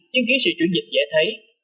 chứng kiến sự chuyển dịch dễ thấy